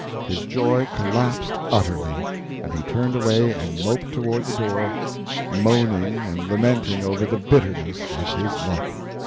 His joy collapsed utterly, and he turned away and moped toward the door moaning and lamenting over the bitterness of his luck.